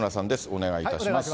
お願いいたします。